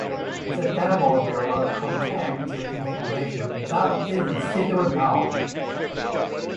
The tables below contain the information that is still known.